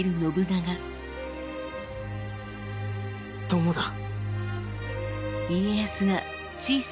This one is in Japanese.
友だ。